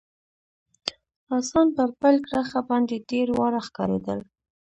اسان پر پیل کرښه باندي ډېر واړه ښکارېدل.